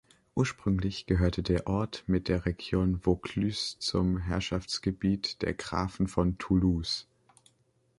Ursprünglich gehörte der Ort mit der Region Vaucluse zum Herrschaftsgebiet der Grafen von Toulouse.